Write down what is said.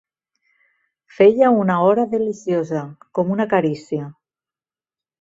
Feia una ora deliciosa, com una carícia.